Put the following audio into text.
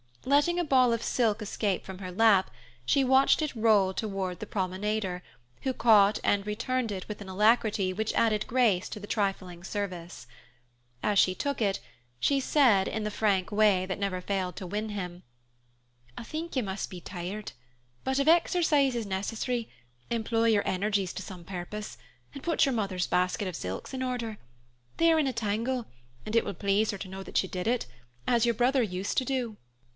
Letting a ball of silk escape from her lap, she watched it roll toward the promenader, who caught and returned it with an alacrity which added grace to the trifling service. As she took it, she said, in the frank way that never failed to win him, "I think you must be tired; but if exercise is necessary, employ your energies to some purpose and put your mother's basket of silks in order. They are in a tangle, and it will please her to know that you did it, as your brother used to do."